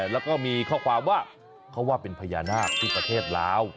แล้วก็มีข้อความว่าเขาว่าเป็นพญานาคที่ประเทศลาว